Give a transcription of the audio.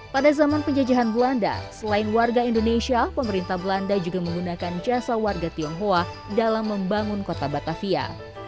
pada zaman penjajahan belanda selain warga indonesia pemerintah belanda juga menggunakan jasa warga tionghoa dalam membangun kota batavia